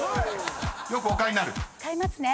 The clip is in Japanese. よくお買いになる？］買いますね。